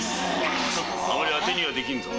あまり当てにはできんぞ。